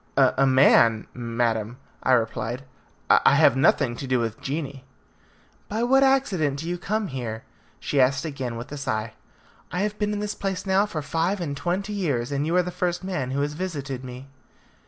"A man, madam," I replied; "I have nothing to do with genii." "By what accident do you come here?" she asked again with a sigh. "I have been in this place now for five and twenty years, and you are the first man who has visited me."